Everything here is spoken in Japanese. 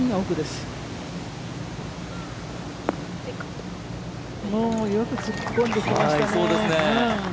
よく突っ込んできましたね。